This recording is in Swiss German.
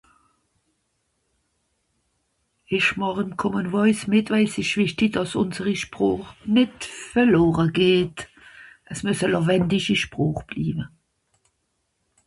Je partie à Common voice car il est important que notre langue que notre langue ne meure pas : elle doit rester une langue vivante